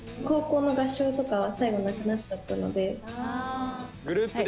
高校の合唱とかは最後なくなっちゃったので。